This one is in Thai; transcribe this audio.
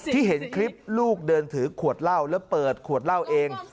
เห็นคลิปลูกเดินถือขวดเหล้าแล้วเปิดขวดเหล้าเอง